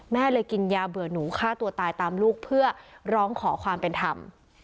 แม่เลยกินยาเบื่อหนูฆ่าตัวตายตามลูกเพื่อร้องขอความเป็นธรรม